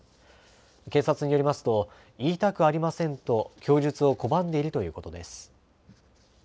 警察によりますと言いたくありませんと供述を拒んでいるということです。